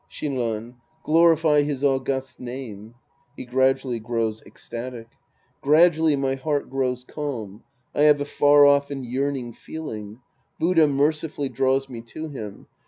Shinran. Glorify his august name. {He gradually p ows ecstatic^) Gradually my heart grows calm. I have a far off and yearning feeling. Buddha merci fully draws me to him.